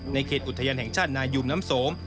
เขตอุทยานแห่งชาตินายุมน้ำสม